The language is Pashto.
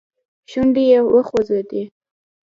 شونډي يې وخوځېدې.